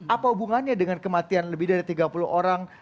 apa hubungannya dengan kematian lebih dari tiga puluh orang